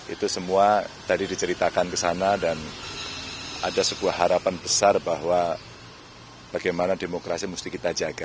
itu semua tadi diceritakan ke sana dan ada sebuah harapan besar bahwa bagaimana demokrasi mesti kita jaga